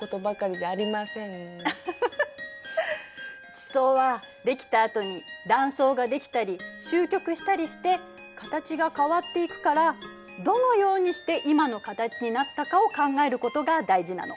地層はできたあとに断層ができたりしゅう曲したりして形が変わっていくからどのようにして今の形になったかを考えることが大事なの。